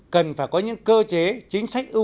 cần phải có những cơ chế chính sách ưu